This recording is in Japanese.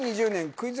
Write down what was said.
クイズ